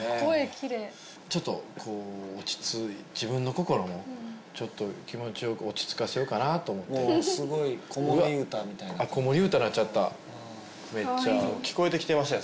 きれいちょっとこう落ち着い自分の心をちょっと気持ちを落ち着かせようかなと思ってすごい子守歌みたいな子守歌なっちゃった聴こえてきてましたよ